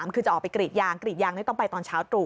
คือจะออกไปกรีดยางกรีดยางนี่ต้องไปตอนเช้าตรู่